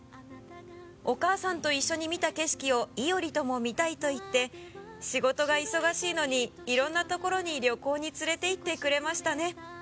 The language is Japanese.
「お母さんと一緒に見た景色を以織とも見たいといって仕事が忙しいのにいろんなところに旅行に連れて行ってくれましたね」